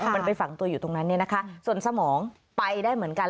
มันไปฝังตัวอยู่ตรงนั้นส่วนสมองไปได้เหมือนกัน